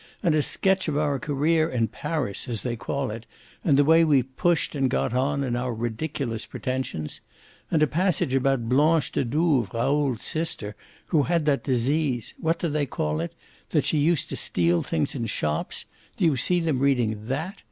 And a sketch of our career in Paris, as they call it, and the way we've pushed and got on and our ridiculous pretensions. And a passage about Blanche de Douves, Raoul's sister, who had that disease what do they call it? that she used to steal things in shops: do you see them reading THAT?